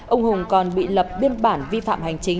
ông hùng còn bị lập biên bản vi phạm hành chính